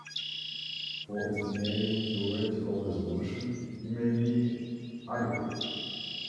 For estimating theoretical resolution, it may be adequate.